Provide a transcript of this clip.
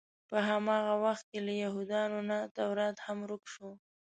په هماغه وخت کې له یهودانو نه تورات هم ورک شو.